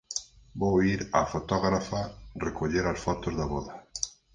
Vou ir a fotógrafa recoller as fotos da voda.